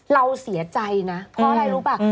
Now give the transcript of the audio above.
เราเสียใจนะเพราะอะไรรู้ป่ะ